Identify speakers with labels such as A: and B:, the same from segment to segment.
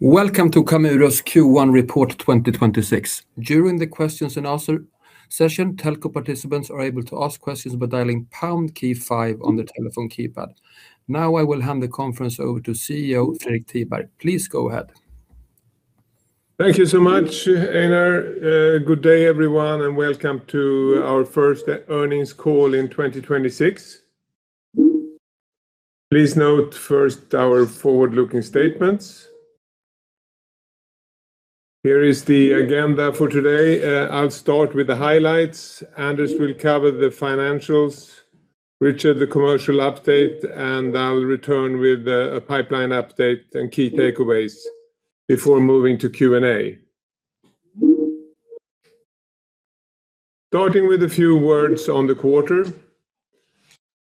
A: Welcome to Camurus' Q1 report 2026. During the questions and answer session, telco participants are able to ask questions by dialing pound key 5 on the telephone keypad. Now, I will hand the conference over to CEO, Fredrik Tiberg. Please go ahead.
B: Thank you so much, Einar. Good day everyone, and welcome to our first earnings call in 2026. Please note first our forward-looking statements. Here is the agenda for today. I'll start with the highlights. Anders will cover the financials, Richard, the commercial update, and I'll return with a pipeline update and key takeaways before moving to Q and A. Starting with a few words on the quarter.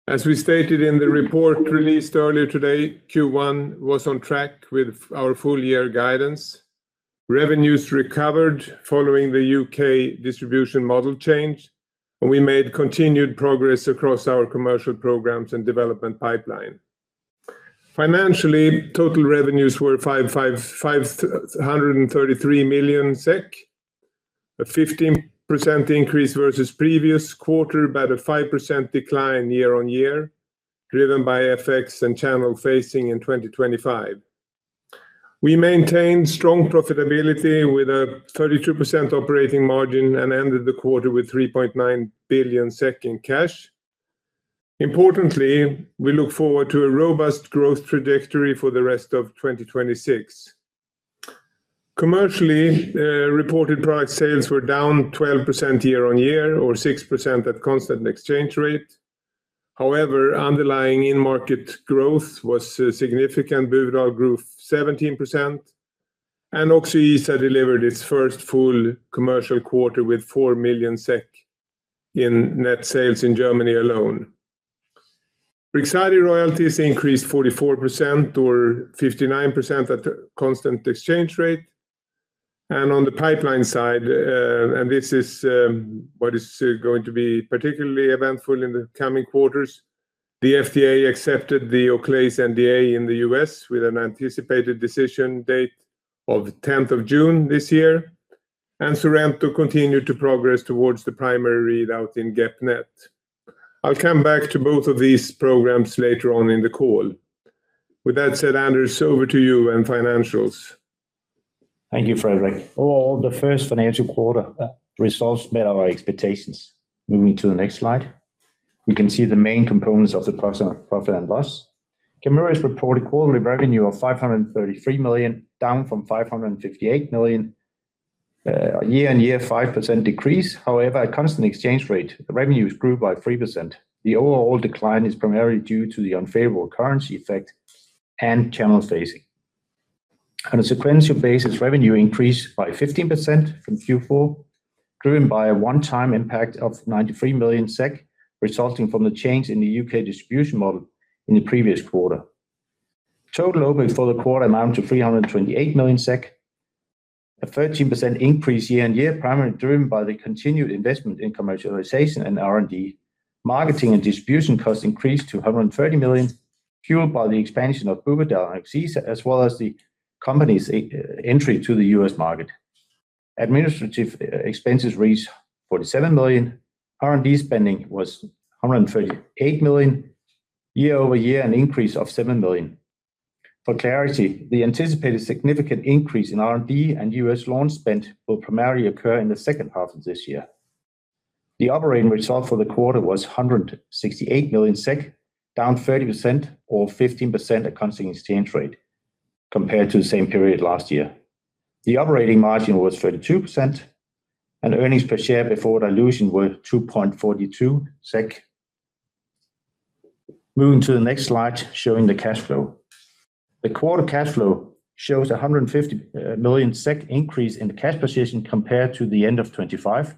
B: As we stated in the report released earlier today, Q1 was on track with our full year guidance. Revenues recovered following the U.K. distribution model change, and we made continued progress across our commercial programs and development pipeline. Financially, total revenues were 533 million SEK, a 15% increase versus previous quarter, but a 5% decline year-over-year, driven by FX and channel phasing in 2025. We maintained strong profitability with a 32% operating margin and ended the quarter with 3.9 billion SEK in cash. Importantly, we look forward to a robust growth trajectory for the rest of 2026. Commercially, reported product sales were down 12% year-on-year, or 6% at constant exchange rate. However, underlying in-market growth was significant. Buvidal grew 17%, and Oczyesa delivered its first full commercial quarter with four million SEK in net sales in Germany alone. Brixadi royalties increased 44% or 59% at the constant exchange rate. On the pipeline side, and this is what is going to be particularly eventful in the coming quarters, the FDA accepted the Oclaiz NDA in the U.S. with an anticipated decision date of the 10th of June this year. SORENTO continued to progress towards the primary readout in GEP-NET. I'll come back to both of these programs later on in the call. With that said, Anders, over to you and financials.
C: Thank you, Fredrik. For the first financial quarter, results met our expectations. Moving to the next slide. We can see the main components of the profit and loss. Camurus has reported quarterly revenue of 533 million, down from 558 million. Year-on-year, 5% decrease. At constant exchange rate, the revenues grew by 3%. The overall decline is primarily due to the unfavorable currency effect and channel phasing. On a sequential basis, revenue increased by 15% from Q4, driven by a one-time impact of 93 million SEK resulting from the change in the U.K. distribution model in the previous quarter. Total output for the quarter amount to 328 million SEK, a 13% increase year-on-year, primarily driven by the continued investment in commercialization and R&D. Marketing and distribution costs increased to 130 million, fueled by the expansion of Buvidal and Oczyesa, as well as the company's entry to the U.S. market. Administrative expenses reached 47 million. R&D spending was 138 million, year-over-year an increase of seven million. For clarity, the anticipated significant increase in R&D and U.S. launch spend will primarily occur in the second half of this year. The operating result for the quarter was 168 million SEK, down 30% or 15% at constant exchange rate compared to the same period last year. The operating margin was 32%, and earnings per share before dilution were 2.42 SEK. Moving to the next slide, showing the cash flow. The quarter cash flow shows a 150 million SEK increase in the cash position compared to the end of 2025,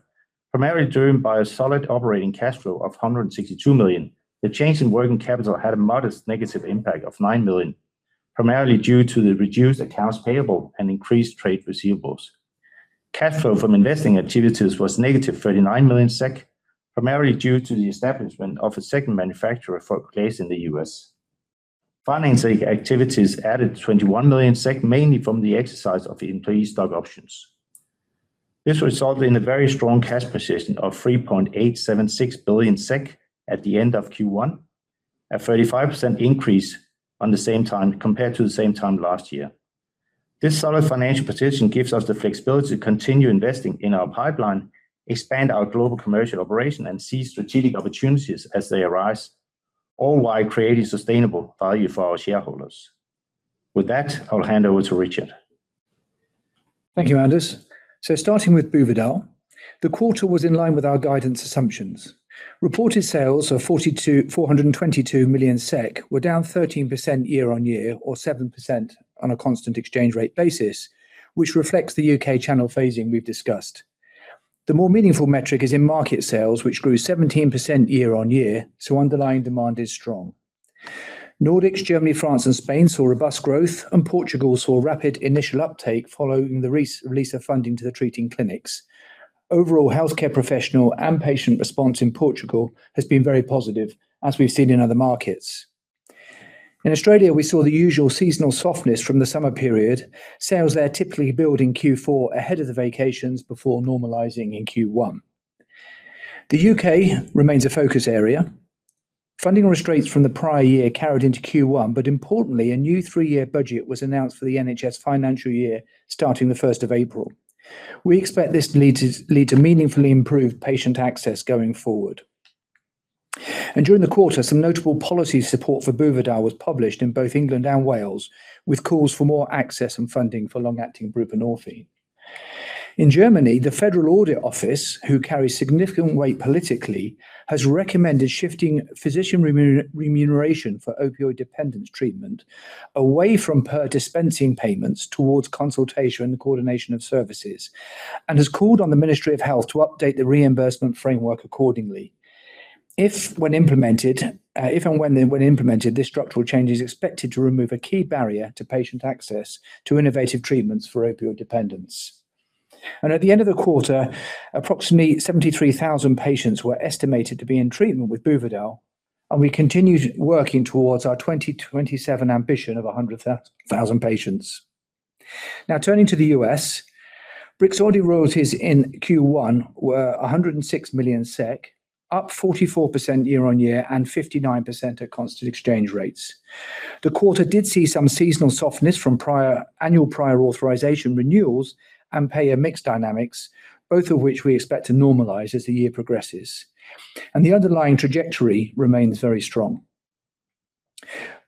C: primarily driven by a solid operating cash flow of 162 million. The change in working capital had a modest negative impact of nine million, primarily due to the reduced accounts payable and increased trade receivables. Cash flow from investing activities was negative 39 million SEK, primarily due to the establishment of a second manufacturer for Oclaiz in the U.S. Financing activities added 21 million SEK, mainly from the exercise of employee stock options. This resulted in a very strong cash position of 3.876 billion SEK at the end of Q1, a 35% increase compared to the same time last year. This solid financial position gives us the flexibility to continue investing in our pipeline, expand our global commercial operation, and seize strategic opportunities as they arise, all while creating sustainable value for our shareholders. With that, I will hand over to Richard.
D: Thank you, Anders. Starting with Buvidal, the quarter was in line with our guidance assumptions. Reported sales of 422 million SEK were down 13% year-on-year or 7% on a constant exchange rate basis, which reflects the U.K. channel phasing we've discussed. The more meaningful metric is in market sales, which grew 17% year-on-year, so underlying demand is strong. Nordics, Germany, France, and Spain saw robust growth, and Portugal saw rapid initial uptake following the release of funding to the treating clinics. Overall healthcare professional and patient response in Portugal has been very positive, as we've seen in other markets. In Australia, we saw the usual seasonal softness from the summer period. Sales there typically build in Q4 ahead of the vacations before normalizing in Q1. The U.K. remains a focus area. Funding restraints from the prior year carried into Q1. Importantly, a new three-year budget was announced for the NHS financial year starting the 1st of April. We expect this to lead to meaningfully improved patient access going forward. During the quarter, some notable policy support for Buvidal was published in both England and Wales, with calls for more access and funding for long-acting buprenorphine. In Germany, the Federal Audit Office, who carries significant weight politically, has recommended shifting physician remuneration for opioid dependence treatment away from per dispensing payments towards consultation and coordination of services, and has called on the Ministry of Health to update the reimbursement framework accordingly. If and when implemented, this structural change is expected to remove a key barrier to patient access to innovative treatments for opioid dependence. At the end of the quarter, approximately 73,000 patients were estimated to be in treatment with Buvidal, and we continue working towards our 2027 ambition of 100,000 patients. Turning to the U.S., Brixadi royalties in Q1 were 106 million SEK, up 44% year-on-year and 59% at constant exchange rates. The quarter did see some seasonal softness from prior annual prior authorization renewals and payer mix dynamics, both of which we expect to normalize as the year progresses. The underlying trajectory remains very strong.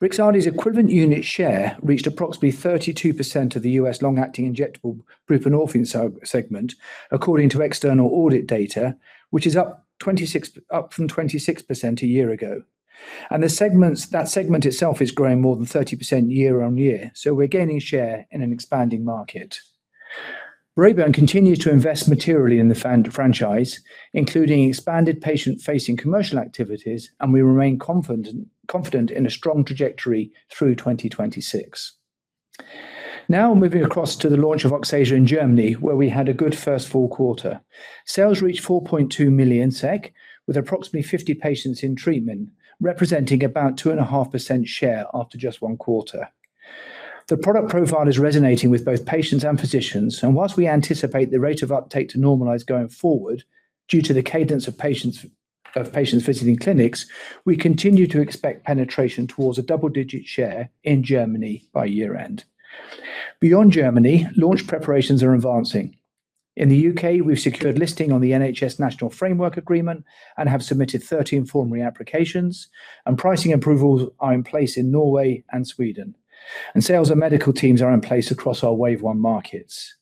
D: Brixadi's equivalent unit share reached approximately 32% of the U.S. long-acting injectable buprenorphine segment, according to external audit data, which is up from 26% a year ago. That segment itself is growing more than 30% year-on-year, so we're gaining share in an expanding market. Braeburn continues to invest materially in the franchise, including expanded patient-facing commercial activities, and we remain confident in a strong trajectory through 2026. Moving across to the launch of Oczyesa in Germany, where we had a good first full- quarter. Sales reached 4.2 million SEK, with approximately 50 patients in treatment, representing about 2.5% share after just one quarter. The product profile is resonating with both patients and physicians, and whilst we anticipate the rate of uptake to normalize going forward due to the cadence of patients visiting clinics, we continue to expect penetration towards a double-digit share in Germany by year-end. Beyond Germany, launch preparations are advancing. In the U.K., we've secured listing on the NHS National Framework Agreement and have submitted 13 formulary applications. Pricing approvals are in place in Norway and Sweden. Sales and medical teams are in place across our wave 1 markets.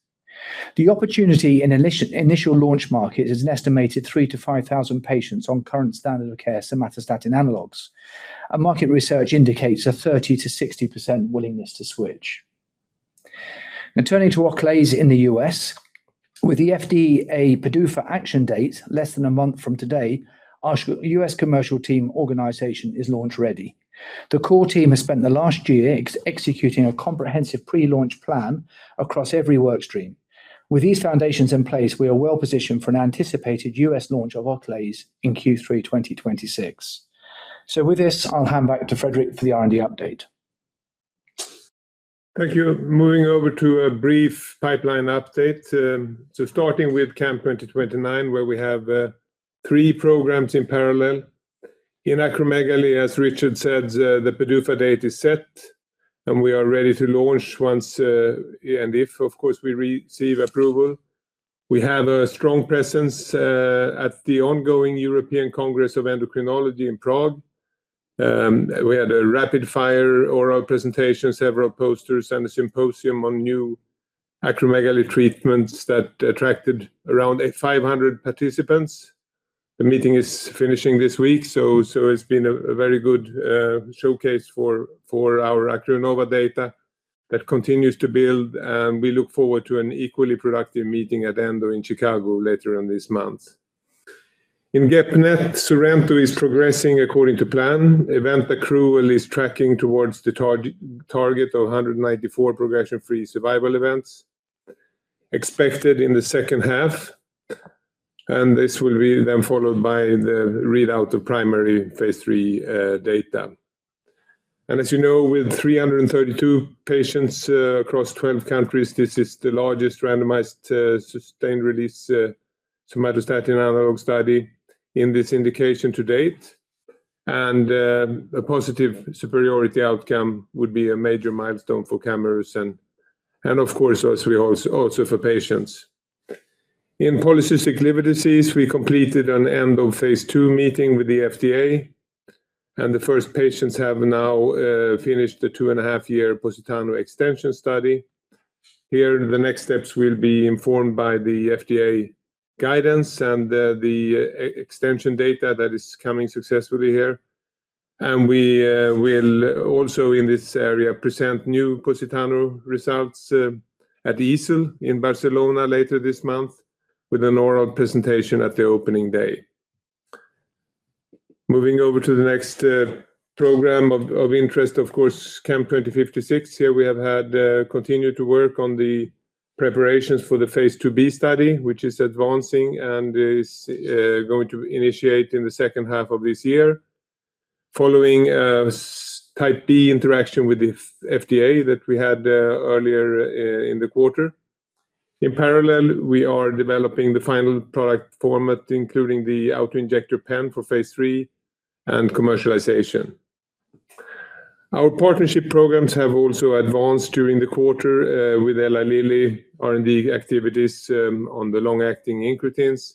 D: The opportunity in initial launch market is an estimated 3,000-5,000 patients on current standard of care somatostatin analogues. Market research indicates a 30%-60% willingness to switch. Now turning to Oclaiz in the U.S. With the FDA PDUFA action date less than a month from today, our U.S. commercial team organization is launch-ready. The core team has spent the last year executing a comprehensive pre-launch plan across every work stream. With these foundations in place, we are well-positioned for an anticipated U.S. launch of Oclaiz in Q3 2026. With this, I'll hand back to Fredrik for the R&D update.
B: Thank you. Moving over to a brief pipeline update. Starting with CAM2029, where we have three programs in parallel. In acromegaly, as Richard said, the PDUFA date is set, and we are ready to launch once, and if, of course, we receive approval. We have a strong presence at the ongoing European Congress of Endocrinology in Prague. We had a rapid-fire oral presentation, several posters, and a symposium on new acromegaly treatments that attracted around 850 participants. The meeting is finishing this week, so it's been a very good showcase for our ACROINNOVA data that continues to build, and we look forward to an equally productive meeting at ENDO in Chicago later on this month. In GEP-NET, SORENTO is progressing according to plan. Event accrual is tracking towards the target of 194 progression-free survival events expected in the second half. This will be then followed by the readout of primary phase III data. As you know, with 332 patients across 12 countries, this is the largest randomized, sustained release somatostatin analog study in this indication to date. A positive superiority outcome would be a major milestone for Camurus and, of course, as we also for patients. In polycystic liver disease, we completed an end-of-phase II meeting with the FDA, and the first patients have now finished the 2.5-year POSITANO extension study. Here, the next steps will be informed by the FDA guidance and the extension data that is coming successfully here. We will also in this area present new POSITANO results at EASL in Barcelona later this month with an oral presentation at the opening day. Moving over to the next program of interest, of course, CAM2056. Here we have continued to work on the preparations for the phase IIb study, which is advancing and is going to initiate in the second half of this year following a Type B interaction with the FDA that we had earlier in the quarter. In parallel, we are developing the final product format, including the auto-injector pen for phase III and commercialization. Our partnership programs have also advanced during the quarter with Eli Lilly R&D activities on the long-acting incretins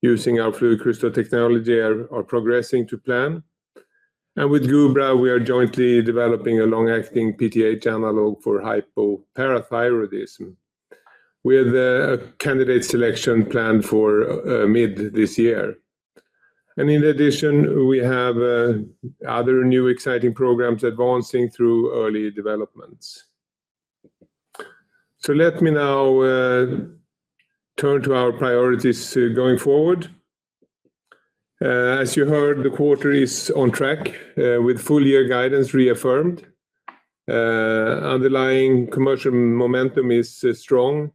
B: using our FluidCrystal technology are progressing to plan. With Gubra, we are jointly developing a long-acting PTH analog for hypoparathyroidism with a candidate selection planned for mid this year. In addition, we have other new exciting programs advancing through early developments. Let me now turn to our priorities going forward. As you heard, the quarter is on track with full- year guidance reaffirmed. Underlying commercial momentum is strong.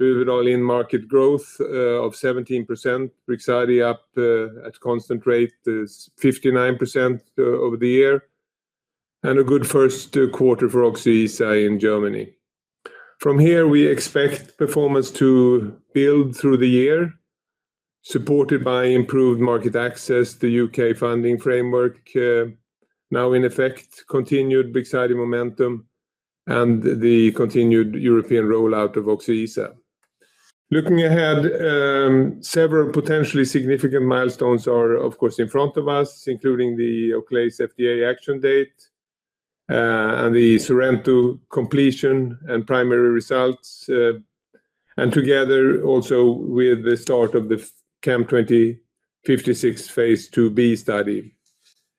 B: Buvidal in market growth of 17%. Brixadi up at constant rate is 59% over the year, and a good first quarter for Oczyesa in Germany. From here, we expect performance to build through the year, supported by improved market access, the U.K. funding framework now in effect, continued Brixadi momentum, and the continued European rollout of Oczyesa. Looking ahead, several potentially significant milestones are, of course, in front of us, including the Oclaiz FDA action date and the SORENTO completion and primary results. Together also with the start of the CAM2056 phase IIb study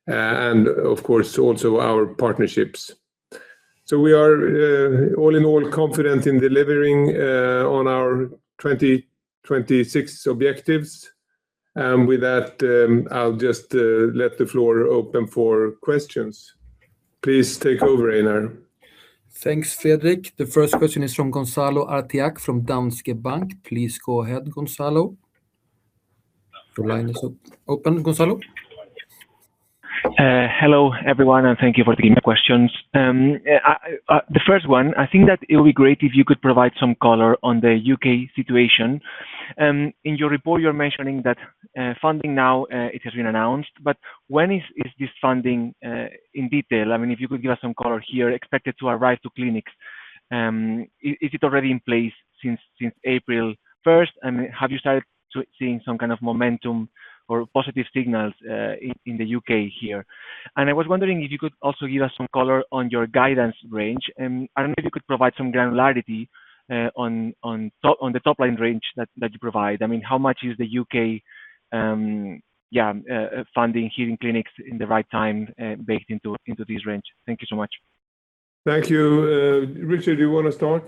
B: and of course also our partnerships. We are all in all confident in delivering on our 2026 objectives. With that, I'll just let the floor open for questions. Please take over, Einar.
A: Thanks, Fredrik. The first question is from Gonzalo Artiach Castañon from Danske Bank. Please go ahead, Gonzalo. Your line is open, Gonzalo.
E: Hello everyone, thank you for taking my questions. The 1st one, I think that it would be great if you could provide some color on the U.K. situation. In your report, you're mentioning that funding now it has been announced, when is this funding in detail? I mean, if you could give us some color here, expected to arrive to clinics. Is it already in place since April 1st? Have you seeing some kind of momentum or positive signals in the U.K. here? I was wondering if you could also give us some color on your guidance range. I don't know if you could provide some granularity on the top-line range that you provide. I mean, how much is the U.K. funding hitting clinics in the right time, baked into this range? Thank you so much.
B: Thank you. Richard, do you wanna start?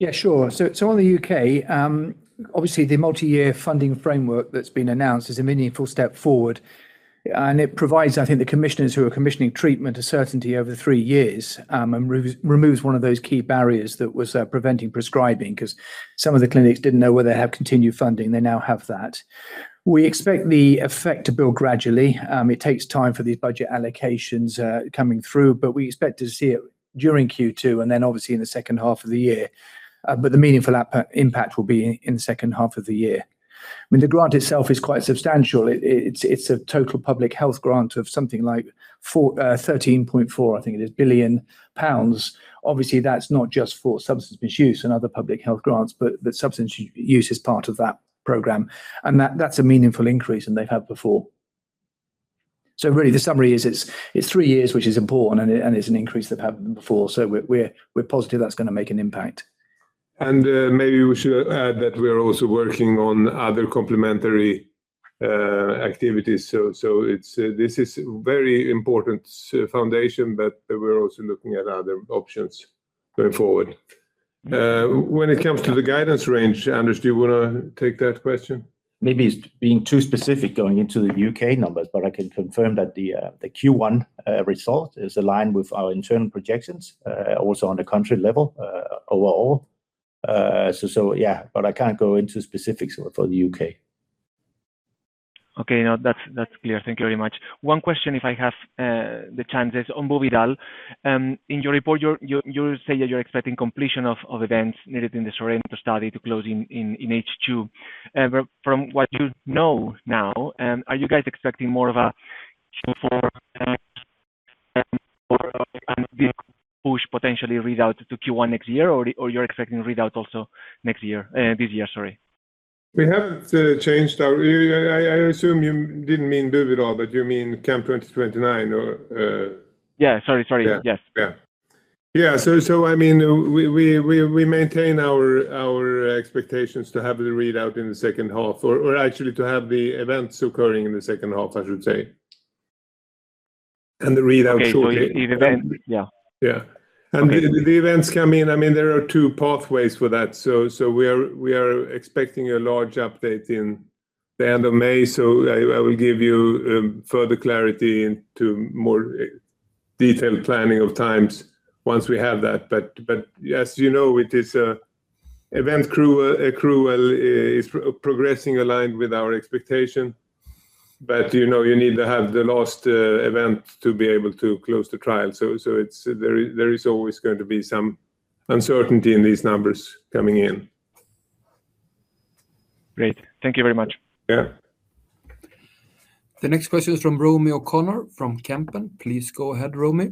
D: Yeah, sure. on the U.K., obviously the multi-year funding framework that's been announced is a meaningful step forward, and it provides, I think, the commissioners who are commissioning treatment a certainty over three years, and removes one of those key barriers that was preventing prescribing, 'cause some of the clinics didn't know whether they have continued funding. They now have that. We expect the effect to build gradually. It takes time for these budget allocations coming through, but we expect to see it during Q2 and then obviously in the second half of the year. but the meaningful impact will be in the second half of the year. I mean, the grant itself is quite substantial. It is a total public health grant of something like 13.4, I think it is, billion GBP. Obviously, that's not just for substance misuse and other public health grants, but the substance use is part of that program. That, that's a meaningful increase than they've had before. Really the summary is it's three years, which is important, and it, and it's an increase they've had before. We're positive that's gonna make an impact.
B: Maybe we should add that we are also working on other complementary activities. This is very important foundation, but we're also looking at other options going forward. When it comes to the guidance range, Anders, do you wanna take that question?
C: Maybe it's being too specific going into the U.K. numbers, but I can confirm that the Q1 result is aligned with our internal projections, also on the country level, overall. Yeah, but I can't go into specifics for the U.K.
E: Okay. No, that's clear. Thank you very much. One question if I have the chance is on Buvidal. In your report, you say that you're expecting completion of events needed in the SORENTO study to close in H2. From what you know now, are you guys expecting more of a Q4 push potentially readout to Q1 next year, or you're expecting readout also this year, sorry?
B: We haven't. I assume you didn't mean Buvidal, but you mean CAM2029 or.
E: Yeah, sorry. Yes.
B: Yeah. Yeah. Yeah. I mean, we maintain our expectations to have the readout in the second half or actually to have the events occurring in the second half, I should say, and the readout shortly.
E: Okay. Each event, yeah.
B: Yeah.
E: Okay.
B: The events coming in, I mean, there are two pathways for that. We are expecting a large update in the end of May. I will give you further clarity into more detailed planning of times once we have that. As you know, event accrual is progressing aligned with our expectation. You know, you need to have the last event to be able to close the trial. There is always going to be some uncertainty in these numbers coming in.
E: Great. Thank you very much.
B: Yeah.
A: The next question is from Romy O'Connor from Kempen. Please go ahead, Romy.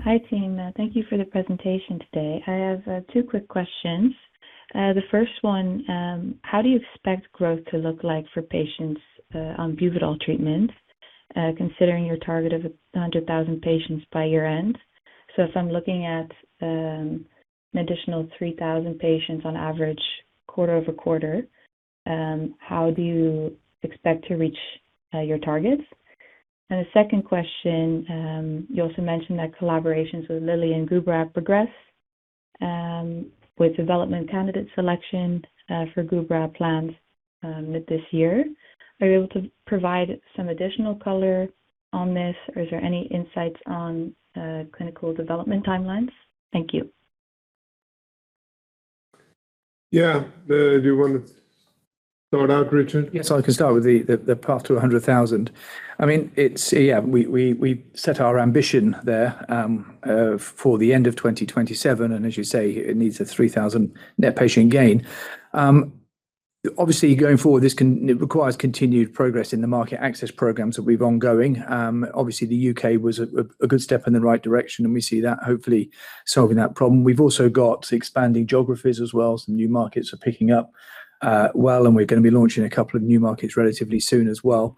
F: Hi, team. Thank you for the presentation today. I have two quick questions. The first one, how do you expect growth to look like for patients on Buvidal treatment, considering your target of 100,000 patients by year-end? If I'm looking at an additional 3,000 patients on average quarter-over-quarter, how do you expect to reach your targets? The second question, you also mentioned that collaborations with Lilly and Gubra progress with development candidate selection for Gubra plans mid-this-year. Are you able to provide some additional color on this, or is there any insights on clinical development timelines? Thank you.
B: Yeah. Do you wanna start out, Richard?
D: Yes, I can start with the path to 100,000. I mean, it's Yeah, we set our ambition there for the end of 2027. As you say, it needs a 3,000 net patient gain. Obviously going forward, it requires continued progress in the market access programs that we've ongoing. Obviously the U.K. was a good step in the right direction. We see that hopefully solving that problem. We've also got expanding geographies as well. Some new markets are picking up well. We're gonna be launching a couple of new markets relatively soon as well.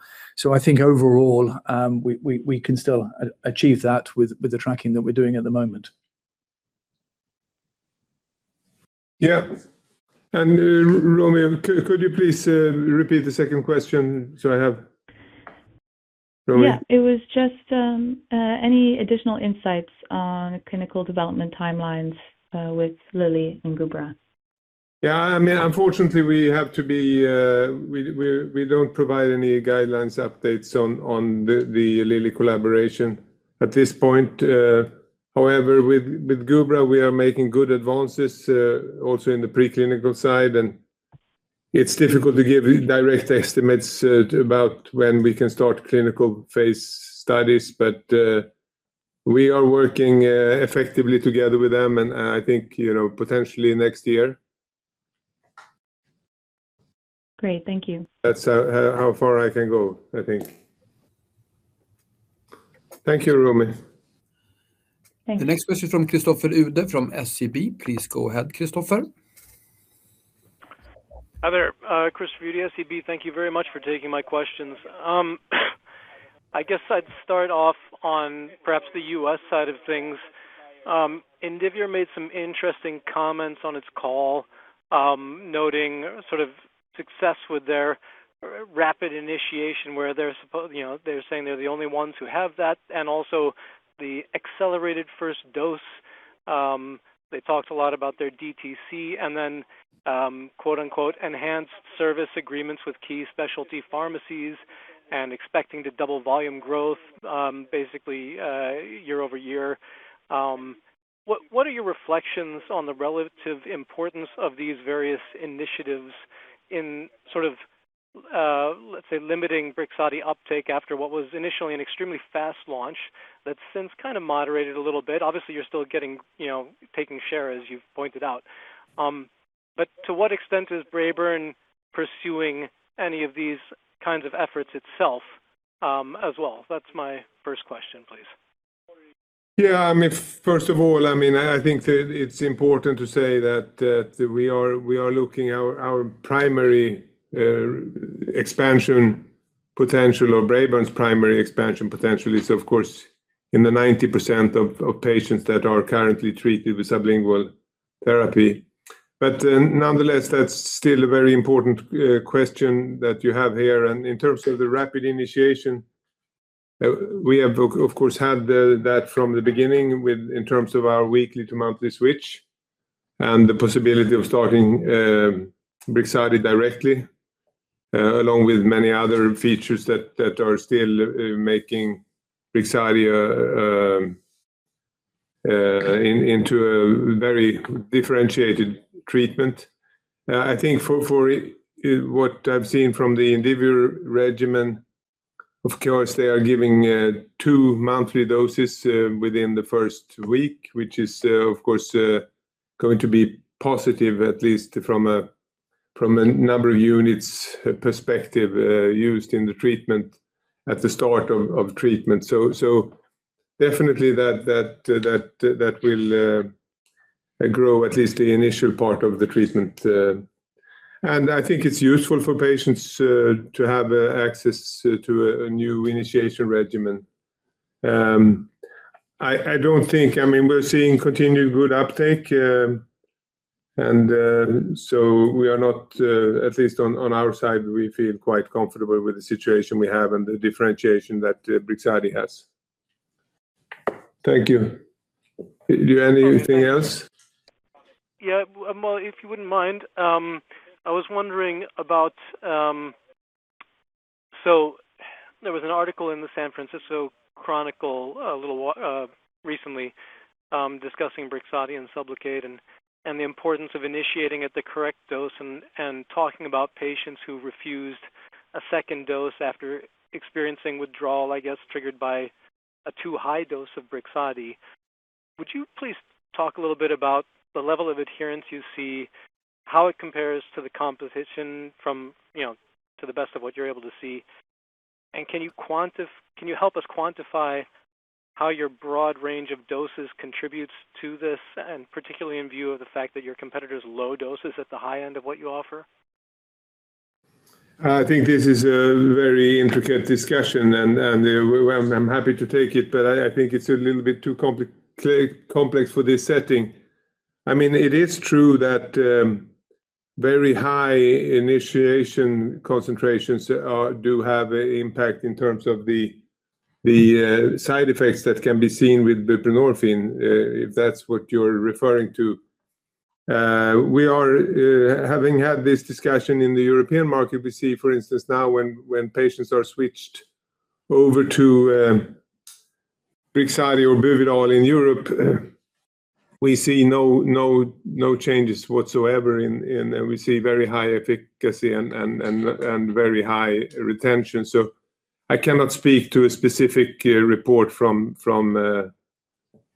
D: I think overall, we can still achieve that with the tracking that we're doing at the moment.
B: Yeah. Romy, could you please repeat the second question so I have? Romy?
F: It was just, any additional insights on clinical development timelines with Lilly and Gubra.
B: I mean, unfortunately, we have to be, we don't provide any guidelines updates on the Lilly collaboration at this point. However, with Gubra, we are making good advances, also in the preclinical side, and it's difficult to give direct estimates about when we can start clinical phase studies. We are working effectively together with them, I think, you know, potentially next year.
F: Great. Thank you.
B: That's how far I can go, I think. Thank you, Romy.
A: Thank you. The next question from Christopher Uhde from SEB. Please go ahead, Kristoffer.
G: Hi there. Christopher Uhde, SEB. Thank you very much for taking my questions. I guess I'd start off on perhaps the U.S. side of things. Indivior made some interesting comments on its call, noting sort of success with their rapid initiation where they're, you know, saying they're the only ones who have that, and also the accelerated first dose. They talked a lot about their DTC and then, quote, unquote, "enhanced service agreements with key specialty pharmacies" and expecting to double volume growth, basically, year-over-year. What are your reflections on the relative importance of these various initiatives in sort of, let's say limiting Brixadi uptake after what was initially an extremely fast launch that since kind of moderated a little bit? Obviously, you're still getting, you know, taking share, as you've pointed out. To what extent is Braeburn pursuing any of these kinds of efforts itself, as well? That's my first question, please.
B: I mean, first of all, I think that it's important to say that we are looking our primary expansion potential or Braeburn's primary expansion potential is of course, in the 90% of patients that are currently treated with sublingual therapy. Nonetheless, that's still a very important question that you have here. In terms of the rapid initiation, we have of course had that from the beginning in terms of our weekly to monthly switch and the possibility of starting Brixadi directly along with many other features that are still making Brixadi into a very differentiated treatment. I think for what I've seen from the Indivior regimen, of course, they are giving 2 monthly doses within the 1st week, which is, of course, going to be positive, at least from a number of units perspective, used in the treatment at the start of treatment. Definitely that will grow at least the initial part of the treatment. I think it's useful for patients to have access to a new initiation regimen. I don't think I mean, we're seeing continued good uptake. We are not, at least on our side, we feel quite comfortable with the situation we have and the differentiation that Brixadi has. Thank you. Do you have anything else?
G: Yeah. Well, if you wouldn't mind, I was wondering about. There was an article in the San Francisco Chronicle a little recently, discussing Brixadi and Sublocade and the importance of initiating at the correct dose and talking about patients who refused a second dose after experiencing withdrawal, I guess, triggered by a too high dose of Brixadi. Would you please talk a little bit about the level of adherence you see, how it compares to the competition from, you know, to the best of what you're able to see? Can you help us quantify how your broad range of doses contributes to this, and particularly in view of the fact that your competitor's low dose is at the high end of what you offer?
B: I think this is a very intricate discussion and, well, I'm happy to take it, but I think it's a little bit too complex for this setting. I mean, it is true that very high initiation concentrations do have an impact in terms of the side effects that can be seen with buprenorphine, if that's what you're referring to. We are having had this discussion in the European market. We see, for instance, now when patients are switched over to Brixadi or Buvidal in Europe, we see no changes whatsoever and we see very high efficacy and very high retention. I cannot speak to a specific report from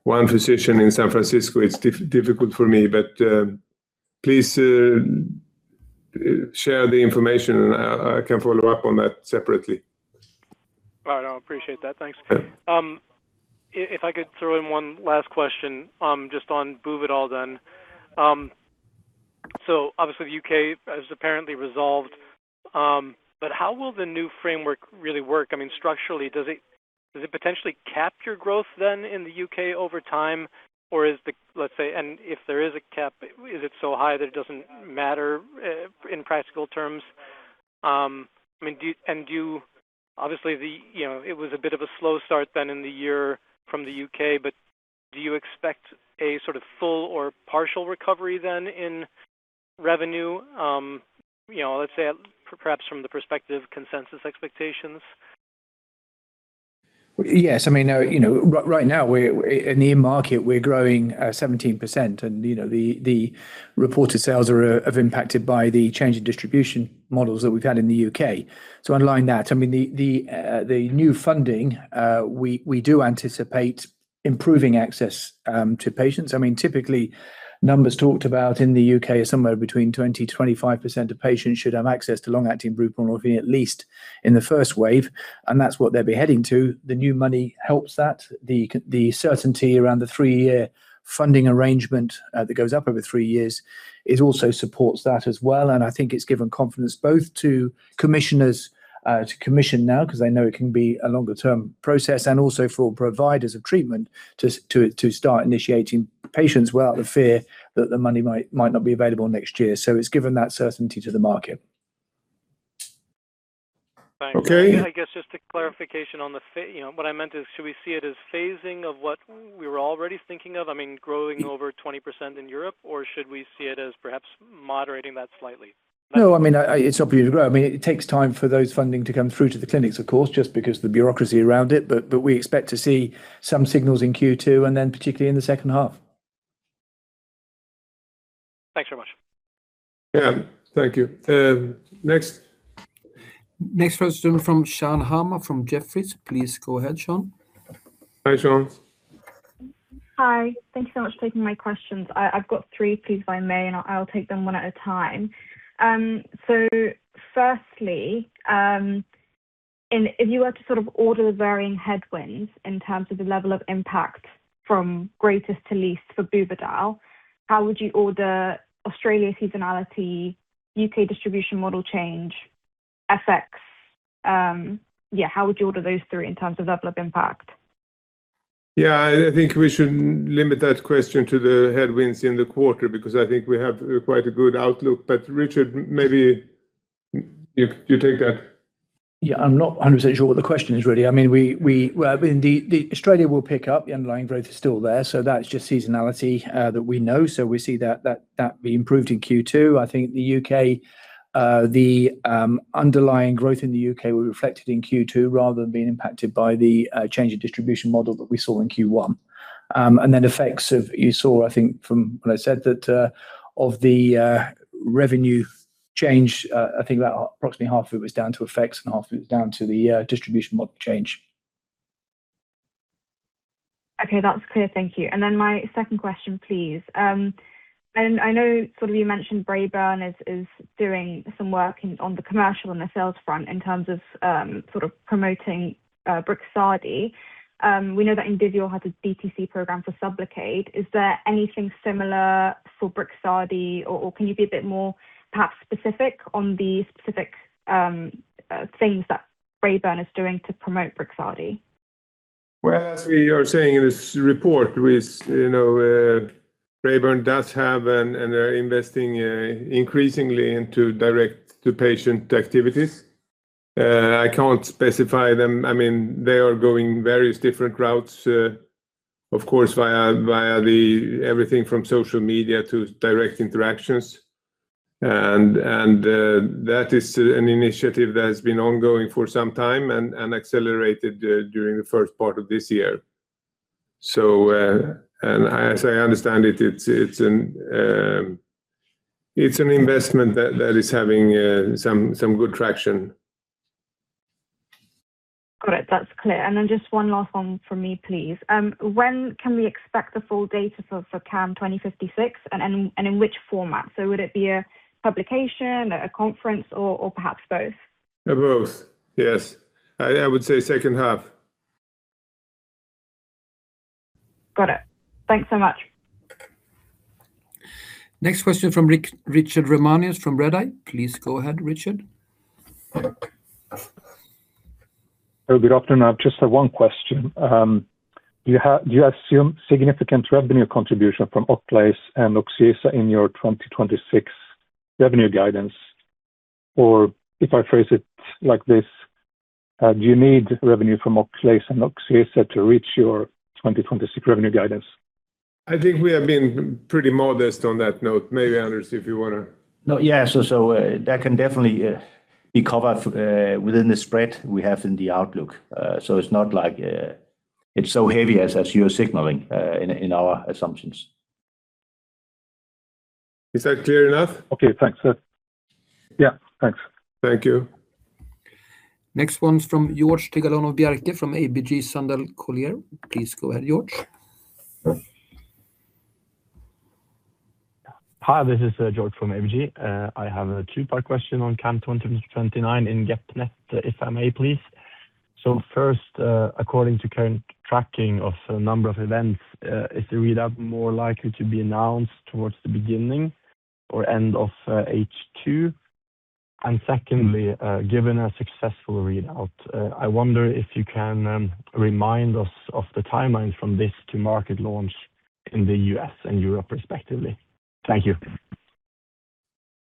B: one physician in San Francisco. It's difficult for me. Please share the information and I can follow up on that separately.
G: All right. I'll appreciate that. Thanks.
B: Yeah.
G: If I could throw in one last question, just on Buvidal then. Obviously the U.K. has apparently resolved, but how will the new framework really work? I mean, structurally, does it potentially cap your growth then in the U.K. over time? Is the Let's say, and if there is a cap, is it so high that it doesn't matter in practical terms? I mean, do you Obviously, the, you know, it was a bit of a slow start then in the year from the U.K., but do you expect a sort of full or partial recovery then in revenue, you know, let's say perhaps from the perspective consensus expectations?
D: Yes. I mean, right now we're in the market, we're growing 17% and the reported sales are impacted by the change in distribution models that we've had in the U.K. Underlying that, I mean, the new funding, we do anticipate improving access to patients. Typically, numbers talked about in the U.K. are somewhere between 20%-25% of patients should have access to long-acting buprenorphine at least in the first wave, and that's what they'll be heading to. The new money helps that. The certainty around the three-year funding arrangement, that goes up over three years, it also supports that as well, and I think it's given confidence both to commissioners, to commission now, 'cause they know it can be a longer- term process, and also for providers of treatment to start initiating patients without the fear that the money might not be available next year. It's given that certainty to the market.
G: Thanks.
B: Okay.
G: I guess just a clarification on the, you know, what I meant is, should we see it as phasing of what we were already thinking of, I mean, growing over 20% in Europe? Or should we see it as perhaps moderating that slightly?
D: No, I mean, it's obviously going to grow. I mean, it takes time for those funding to come through to the clinics, of course, just because the bureaucracy around it. We expect to see some signals in Q2, and then particularly in the second half.
G: Thanks very much.
B: Yeah. Thank you. Next.
A: Next question from Shan Hama from Jefferies. Please go ahead, Sian.
B: Hi, Shan.
H: Hi. Thank you so much for taking my questions. I've got three, please, if I may, and I'll take them one at a time. Firstly, if you were to sort of order the varying headwinds in terms of the level of impact from greatest to least for Buvidal, how would you order Australia seasonality, U.K. distribution model change, FX? Yeah, how would you order those three in terms of level of impact?
B: Yeah. I think we should limit that question to the headwinds in the quarter, because I think we have quite a good outlook. Richard, maybe you take that.
D: Yeah. I'm not 100% sure what the question is, really. I mean, Well, I mean, Australia will pick up. The underlying growth is still there, so that's just seasonality that we know. We see that being improved in Q2. I think the U.K., the underlying growth in the U.K. will be reflected in Q2 rather than being impacted by the change of distribution model that we saw in Q1. Effects of You saw, I think, from when I said that, of the revenue change, I think about approximately half of it was down to effects and half of it was down to the distribution model change.
H: Okay. That's clear. Thank you. Then my second question, please. I know sort of you mentioned Braeburn is doing some work in, on the commercial and the sales front in terms of, sort of promoting, Brixadi. We know that Indivior has a DTC program for Sublocade. Is there anything similar for Brixadi, or can you be a bit more perhaps specific on the specific, things that Braeburn is doing to promote Brixadi?
B: Well, as we are saying in this report with, you know, Braeburn does have they're investing increasingly into direct-to-patient activities. I can't specify them. I mean, they are going various different routes, of course, via the everything from social media to direct interactions. That is an initiative that has been ongoing for some time and accelerated during the first part of this year. As I understand it's an investment that is having some good traction.
H: Got it. That's clear. Just one last one from me, please. When can we expect the full data for CAM2056, and in which format? Would it be a publication, a conference, or perhaps both?
B: Both. Yes. I would say second half.
H: Got it. Thanks so much.
A: Next question from Richard Ramanius from Redeye. Please go ahead, Richard.
I: Good afternoon. I just have one question. Do you assume significant revenue contribution from Oclaiz and Oczyesa in your 2026 revenue guidance? If I phrase it like this, do you need revenue from Oclaiz and Oczyesa to reach your 2026 revenue guidance?
B: I think we have been pretty modest on that note. Maybe, Anders, if you wanna.
C: No. Yeah. That can definitely be covered within the spread we have in the outlook. It's not like it's so heavy as you're signaling in our assumptions.
B: Is that clear enough?
I: Okay. Thanks. Yeah. Yeah. Thanks.
B: Thank you.
A: Next one's from Georg Tigalonov-Bjerke from ABG Sundal Collier. Please go ahead, Georg.
J: Hi, this is Georg from ABG. I have a two-part question on CAM2029 in GEP-NET, if I may, please. First, according to current tracking of number of events, is the readout more likely to be announced towards the beginning or end of H2? Secondly, given a successful readout, I wonder if you can remind us of the timelines from this to market launch in the U.S. and Europe respectively. Thank you.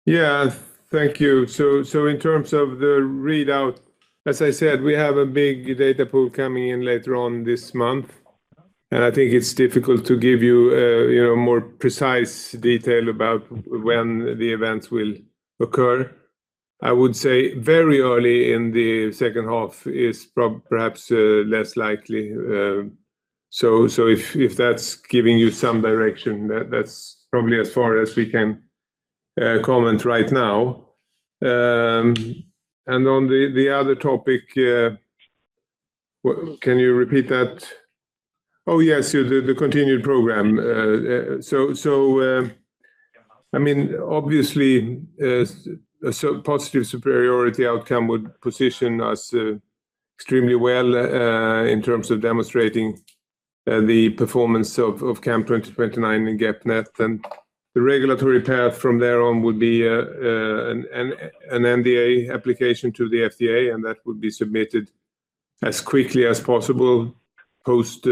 B: Yeah. Thank you. In terms of the readout, as I said, we have a big data pool coming in later on this month, and I think it's difficult to give you know, more precise detail about when the events will occur. I would say very early in the second half is perhaps less likely. If that's giving you some direction, that's probably as far as we can comment right now. On the other topic, what can you repeat that? Oh, yes. The continued program. I mean, obviously, a positive superiority outcome would position us extremely well in terms of demonstrating the performance of CAM2029 in GEP-NET. The regulatory path from there on would be an NDA application to the FDA, and that would be submitted as quickly as possible post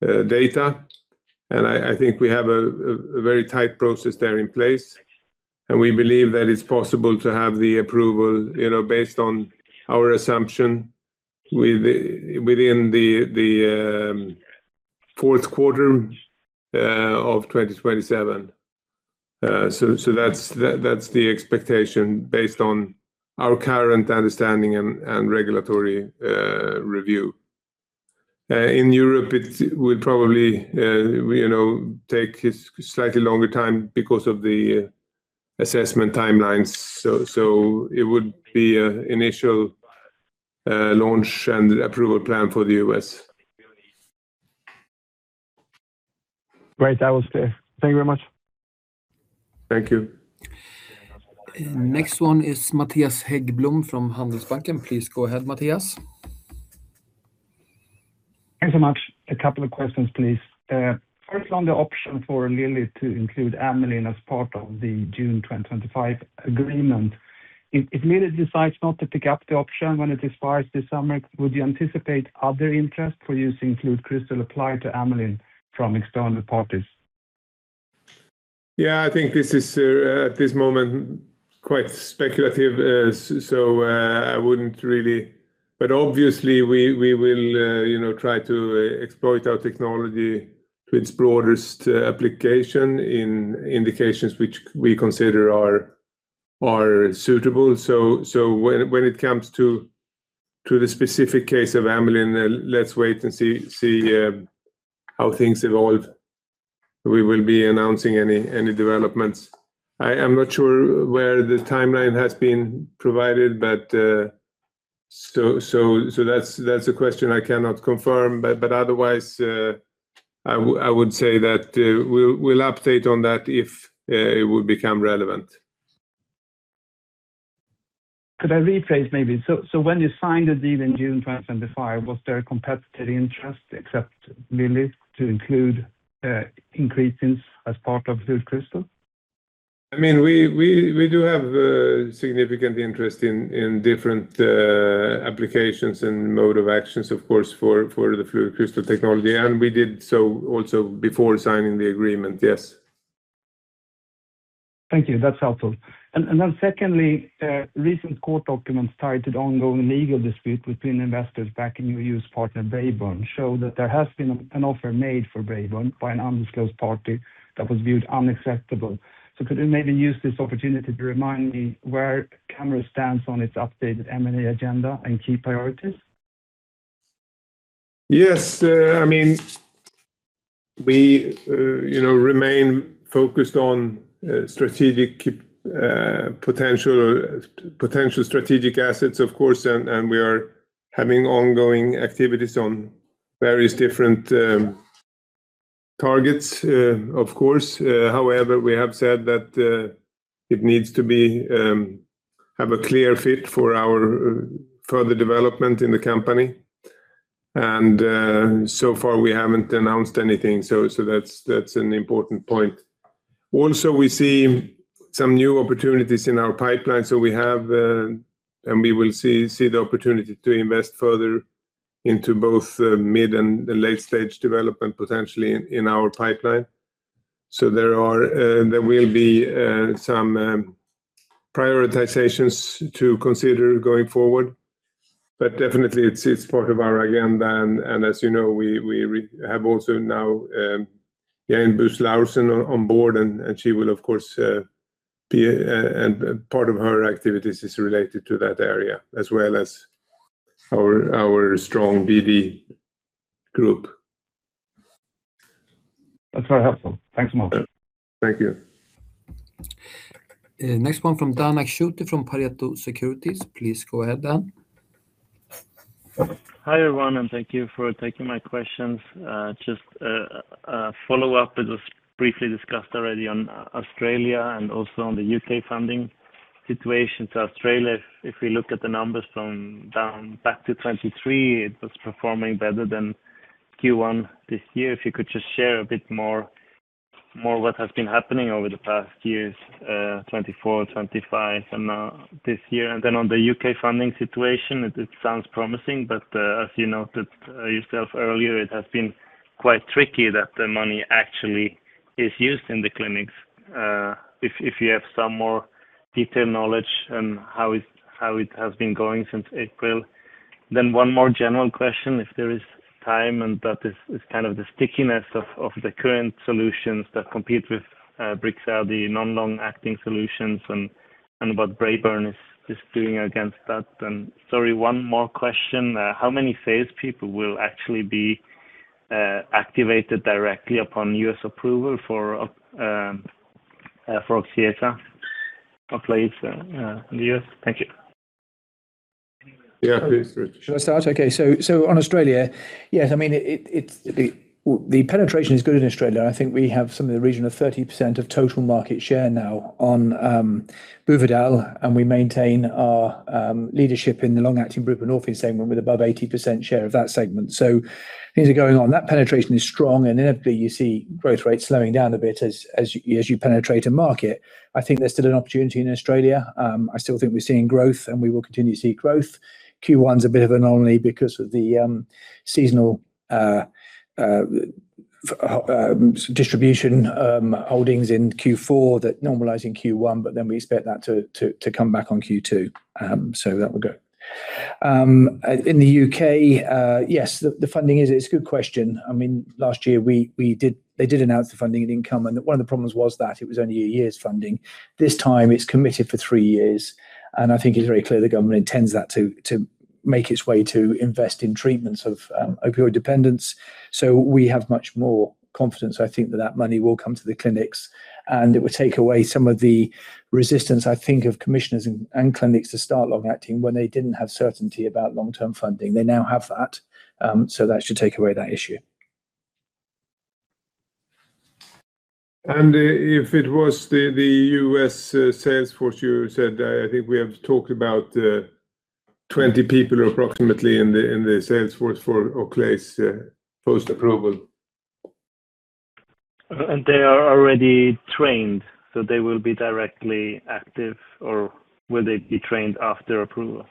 B: data. I think we have a very tight process there in place, and we believe that it's possible to have the approval, you know, based on our assumption within the fourth quarter of 2027. That's the expectation based on our current understanding and regulatory review. In Europe, it will probably, you know, take a slightly longer time because of the assessment timelines. It would be a initial launch and approval plan for the U.S.
J: Great. That was clear. Thank you very much.
B: Thank you.
A: Next one is Mattias Häggblom from Handelsbanken. Please go ahead, Mattias.
K: Thanks so much. A couple of questions, please. First, on the option for Lilly to include Amylin as part of the June 2025 agreement. If Lilly decides not to pick up the option when it expires this summer, would you anticipate other interest for use FluidCrystal applied to Amylin from external parties?
B: Yeah. I think this is, at this moment, quite speculative. Obviously, we will, you know, try to exploit our technology to its broadest application in indications which we consider are suitable. When it comes to the specific case of Amylin, let's wait and see how things evolve. We will be announcing any developments. I am not sure where the timeline has been provided. That's a question I cannot confirm. Otherwise, I would say that we'll update on that if it would become relevant.
K: Could I rephrase maybe? When you signed the deal in June 2025, was there a competitor interest except Lilly to include increasing as part of FluidCrystal?
B: I mean, we do have significant interest in different applications and mode of actions, of course, for the FluidCrystal technology, and we did so also before signing the agreement, yes.
K: Thank you. That's helpful. Then secondly, recent court documents tied to the ongoing legal dispute between investors backing UU's partner Braeburn show that there has been an offer made for Braeburn by an undisclosed party that was viewed unacceptable. Could you maybe use this opportunity to remind me where Camurus stands on its updated M&A agenda and key priorities?
B: Yes. We remain focused on strategic potential strategic assets, of course. We are having ongoing activities on various different targets, of course. However, we have said that it needs to be have a clear fit for our further development in the company. So far we haven't announced anything, so that's an important point. Also, we see some new opportunities in our pipeline, so we have, and we will see the opportunity to invest further into both mid and the late-stage development potentially in our pipeline. There are, there will be some prioritizations to consider going forward. Definitely it's part of our agenda. As you know, we have also now, Jane Buus Laursen on board and she will of course, be and part of her activities is related to that area, as well as our strong BD group.
K: That's very helpful. Thanks a lot.
B: Thank you.
A: Next one from Dan Akshuti from Pareto Securities. Please go ahead, Dan.
L: Hi, everyone, thank you for taking my questions. Just a follow-up. It was briefly discussed already on Australia and also on the U.K. funding situation to Australia. If we look at the numbers from down back to 2023, it was performing better than Q1 this year. If you could just share a bit more what has been happening over the past years, 2024, 2025, and this year. Then on the U.K. funding situation, it sounds promising, but as you noted yourself earlier, it has been quite tricky that the money actually is used in the clinics. If you have some more detailed knowledge on how it has been going since April. One more general question if there is time, and that is kind of the stickiness of the current solutions that compete with Buvidal, the non-long-acting solutions and what Braeburn is doing against that. Sorry, one more question. How many salespeople will actually be activated directly upon U.S. approval for Oclaiz in the U.S.? Thank you.
B: Yeah, please, Rich.
D: Shall I start? Okay. On Australia, yes, I mean, it's the penetration is good in Australia. I think we have something in the region of 30% of total market share now on Buvidal, and we maintain our leadership in the long-acting buprenorphine segment with above 80% share of that segment. Things are going on. That penetration is strong, and inevitably you see growth rates slowing down a bit as you penetrate a market. I think there's still an opportunity in Australia. I still think we're seeing growth, and we will continue to see growth. Q1 is a bit of an anomaly because of the seasonal distribution holdings in Q4 that normalize in Q1, we expect that to come back on Q2. That will go. In the U.K., yes, the funding is a good question. I mean, last year they did announce the funding at income, and one of the problems was that it was only one year's funding. This time it's committed for three years, and I think it's very clear the government intends that to make its way to invest in treatments of opioid dependence. We have much more confidence, I think, that that money will come to the clinics, and it will take away some of the resistance, I think, of commissioners and clinics to start long-acting when they didn't have certainty about long-term funding. They now have that, so that should take away that issue.
B: If it was the U.S. sales force you said, I think we have talked about 20 people approximately in the sales force for Oclaiz, post-approval.
L: They are already trained, so they will be directly active, or will they be trained after approval?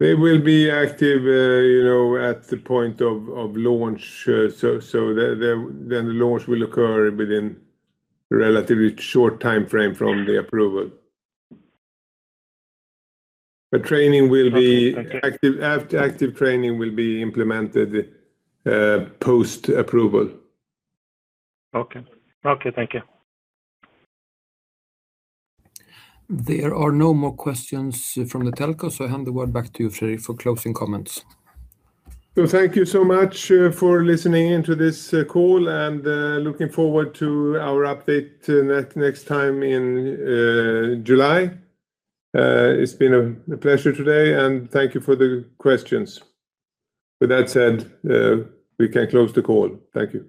B: They will be active, you know, at the point of launch. Then the launch will occur within relatively short timeframe from the approval.
L: Okay. Thank you
B: Active training will be implemented post-approval.
L: Okay. Okay, thank you.
A: There are no more questions from the telco, so I hand the word back to you, Fredrik, for closing comments.
B: Thank you so much for listening in to this call and looking forward to our update next time in July. It's been a pleasure today, and thank you for the questions. With that said, we can close the call. Thank you.